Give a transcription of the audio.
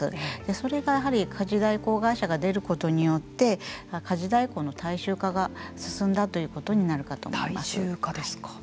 それが家事代行会社が出ることによって家事代行の大衆化が進んだということに大衆化ですか。